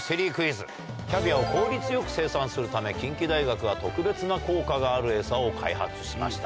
キャビアを効率よく生産するため近畿大学が特別な効果があるエサを開発しました。